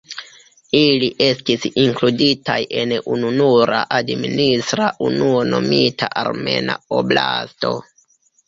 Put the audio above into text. Ili estis inkluditaj en ununura administra unuo nomita Armena Oblasto.